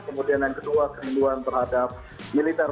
kemudian yang kedua kerinduan terhadap militer